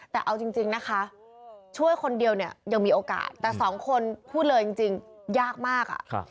แต่เอาจริงนะคะช่วยคนเดียวเนี่ยยังมีโอกาสแต่สองคนพูดเลยจริงยากมาก